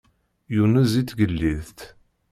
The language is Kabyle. Yunez i tgellidt.